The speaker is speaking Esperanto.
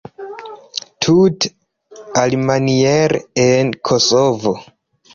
Tute alimaniere en Kosovo.